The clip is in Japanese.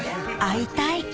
会いたい！